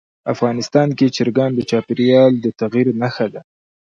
افغانستان کې چرګان د چاپېریال د تغیر نښه ده.